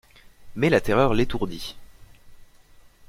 Mais la terreur l'étourdit.